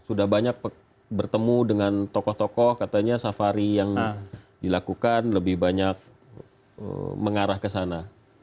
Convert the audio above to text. sudah banyak bertemu dengan tokoh tokoh katanya safari yang dilakukan lebih banyak mengarah ke sana